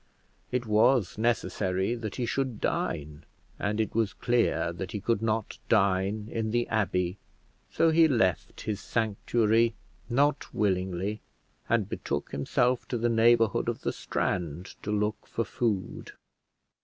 It was necessary that he should dine, and it was clear that he could not dine in the abbey: so he left his sanctuary not willingly, and betook himself to the neighbourhood of the Strand to look for food.